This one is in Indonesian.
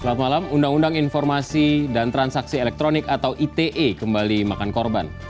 selamat malam undang undang informasi dan transaksi elektronik atau ite kembali makan korban